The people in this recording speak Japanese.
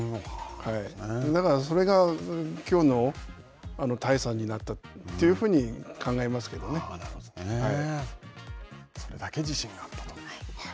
だから、それがきょうの大差になったというふうに考えますけどそれだけ自信があったと。